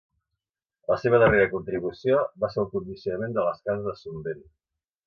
La seva darrera contribució va ser el condicionament de les cases de Son Vent.